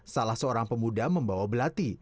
salah seorang pemuda membawa belati